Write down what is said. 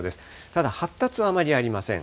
ただ、発達はあまりありません。